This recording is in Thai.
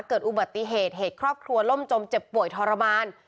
เกิดอุบัติเหตุเหตุครอบครัวล่มจมเจ็บป่วยทรมาน